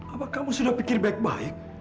apa kamu sudah pikir baik baik